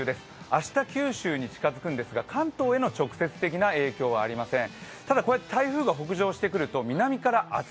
明日、九州に近づくんですが関東への直接的影響はありません。